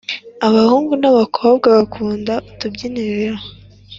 Abahungu na abakobwa bakunda utubyiniro